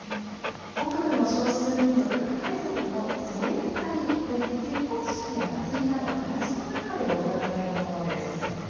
北部の少数民族、タイ族のソエタイで、結婚式や祭りなど、暮らしの中で踊られるものです。